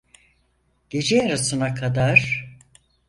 Gece yarısına kadar…